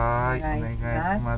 お願いします。